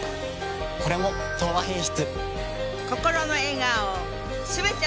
これも「東和品質」。